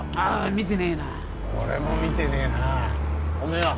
見てねえな俺も見てねえなおめえは？